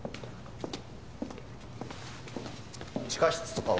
地下室とかは？